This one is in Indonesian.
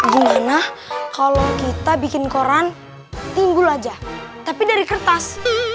gimana kalau kita bikin koran timbul aja tapi dari kertas